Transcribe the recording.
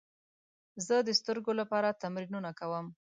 زه د سترګو لپاره تمرینونه کوم.